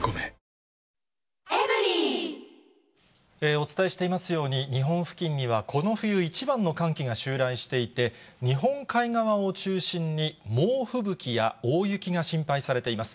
お伝えしていますように、日本付近には、この冬一番の寒気が襲来していて、日本海側を中心に、猛吹雪や大雪が心配されています。